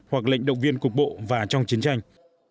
hoặc lệnh động viên cục bộ và trong chiến tranh